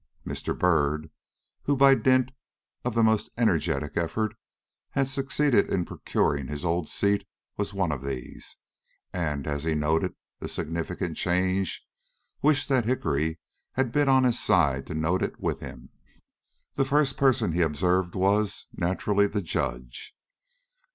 Mr. Byrd, who by dint of the most energetic effort had succeeded in procuring his old seat, was one of these, and as he noted the significant change, wished that Hickory had been at his side to note it with him. The first person he observed was, naturally, the Judge.